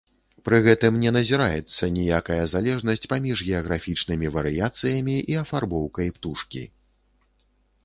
Пры гэтым не назіраецца ніякая залежнасць паміж геаграфічнымі варыяцыямі і афарбоўкай птушкі.